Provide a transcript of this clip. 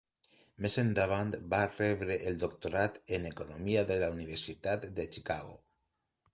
Més endavant va rebre el doctorat en economia de la Universitat de Chicago.